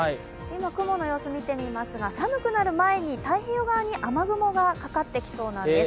雲の様子を見てみますが寒くなる前に太平洋側に雨雲がかかってきそうなんです。